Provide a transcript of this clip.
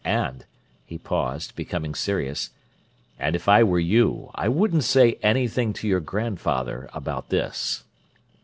And"—he paused, becoming serious—"and if I were you I wouldn't say anything to your grandfather about this."